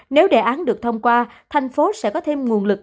nếu đề án được thông qua thành phố sẽ có thêm nguồn lực